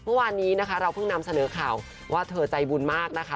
เมื่อวานนี้นะคะเราเพิ่งนำเสนอข่าวว่าเธอใจบุญมากนะคะ